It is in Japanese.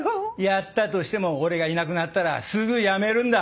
やったとしても俺がいなくなったらすぐやめるんだ。